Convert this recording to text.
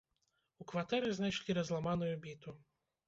У кватэры знайшлі разламаную біту.